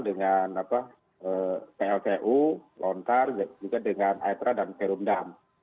dengan plcu lontar juga dengan aetra dan serumdam